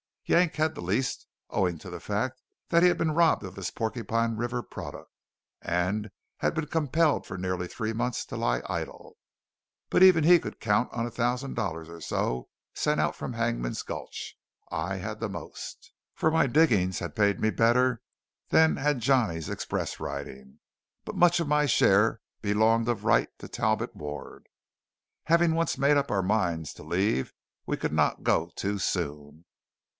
Yank had the least, owing to the fact that he had been robbed of his Porcupine River product, and had been compelled for nearly three months to lie idle; but even he could count on a thousand dollars or so sent out from Hangman's Gulch. I had the most, for my digging had paid me better than had Johnny's express riding. But much of my share belonged of right to Talbot Ward. Having once made up our minds to leave, we could not go too soon.